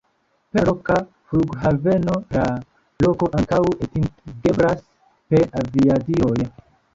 Per loka flughaveno la loko ankaŭ atingeblas per aviadiloj.